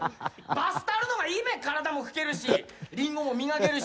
バスタオルの方がいいべ体も拭けるしリンゴも磨けるし